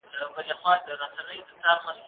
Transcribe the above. زه هره ورځ سبزیجات وچوم،